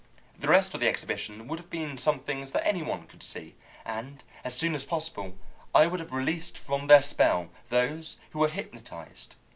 The rest of the exhibition would have been some things that any one could see, and as soon as possible I would have released from their spell those who were hypnotized.